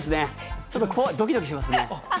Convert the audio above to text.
ちょっとドキドキしますね。